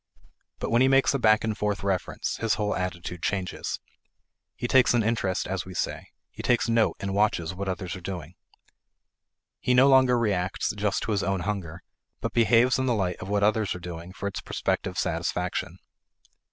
But when he makes a back and forth reference, his whole attitude changes. He takes an interest, as we say; he takes note and watches what others are doing. He no longer reacts just to his own hunger, but behaves in the light of what others are doing for its prospective satisfaction.